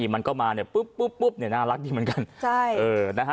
มันก็มาเนี่ยปุ๊บปุ๊บเนี่ยน่ารักดีเหมือนกันใช่เออนะฮะ